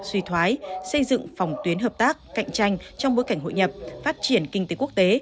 suy thoái xây dựng phòng tuyến hợp tác cạnh tranh trong bối cảnh hội nhập phát triển kinh tế quốc tế